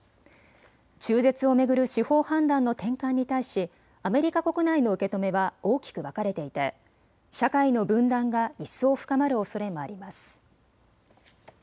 中絶を巡る司法判断の転換に対しアメリカ国内の受け止めは大きく分かれていて社会の分断が一層、深まるおそれもあります。